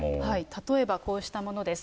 例えばこうしたものです。